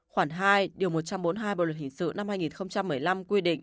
khoảng hai điều một trăm bốn mươi hai bộ luật hình sự năm hai nghìn một mươi năm quy định